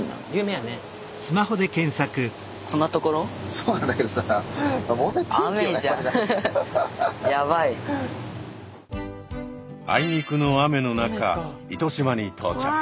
そうなんだけどさあいにくの雨の中糸島に到着。